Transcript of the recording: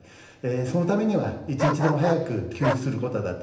そのためには、一日でも早く給付することだと。